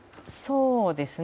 そうですね。